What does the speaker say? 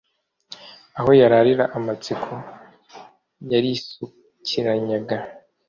aho yarari amatsiko yarisukiranyaga,